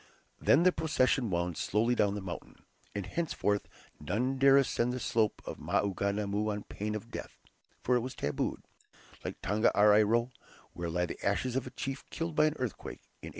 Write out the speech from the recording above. Then the procession wound slowly down the mountain, and henceforth none dare ascend the slope of Maunganamu on pain of death, for it was "tabooed," like Tongariro, where lie the ashes of a chief killed by an earthquake in 1846.